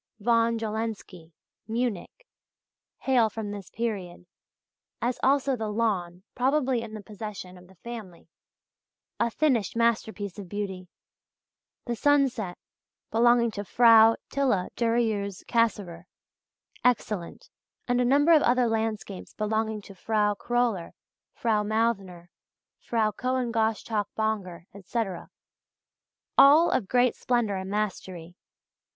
von Jawlensky, Munich, hail from this period, as also "The Lawn," probably in the possession of the family a finished masterpiece of beauty; "The Sunset" belonging to Frau Tilla Durieux Cassirer excellent; and a number of other landscapes belonging to Frau Kröller, Frau Mauthner, Frau Cohen Gosschalk Bonger, etc. all of great splendour and mastery.